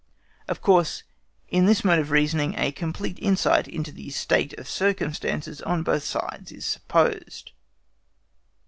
Of course, in this mode of reasoning a complete insight into the state of circumstances on both sides is supposed.